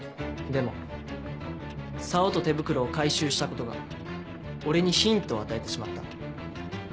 でも竿と手袋を回収したことが俺にヒントを与えてしまった。